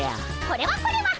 これはこれは。